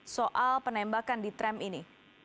soal penembakan di tram ini